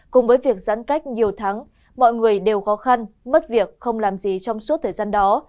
cùng với việc giãn cách nhiều tháng mọi người đều khó khăn mất việc không làm gì trong suốt thời gian đó